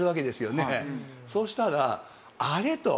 そしたら「あれ？」と。